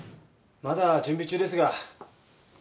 まだ準備中ですが。